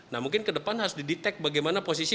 nah mungkin ke depan harus didetek bagaimana posisi